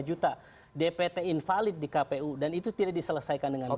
tujuh belas lima juta dpt invalid di kpu dan itu tidak diselesaikan dengan baik